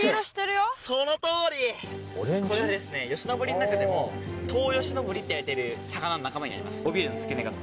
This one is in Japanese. これはですねヨシノボリの中でもトウヨシノボリっていわれてる魚の仲間になります。